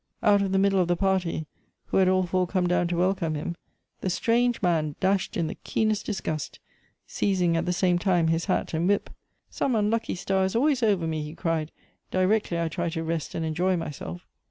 Out of the middle of the party, who had all four come down to welcome him, the strange man dashed in the keenest disgust, seizing at the same time his hat and whip. " Some unlucky star is always over me," he cried, " directly I try to rest and enjoy myself.